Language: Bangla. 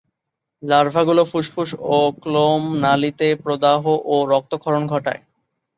লার্ভাগুলি ফুসফুস, ও ক্লোমনালীতে প্রদাহ ও রক্তক্ষরণ ঘটায়।